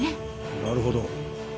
なるほど。